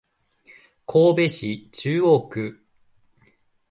神戸市中央区